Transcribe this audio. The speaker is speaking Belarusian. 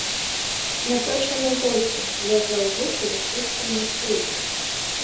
Няпрошанай госцю лезла ў вушы высвістванне флейты.